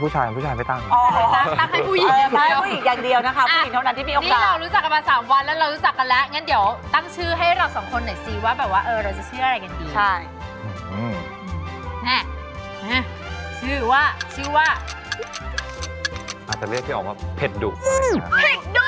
ผู้ชายผู้ชายไม่ตั้งอ๋อตั้งให้ผู้หญิงอย่างเดียวนะคะผู้หญิงเท่านั้นที่มีโอกาส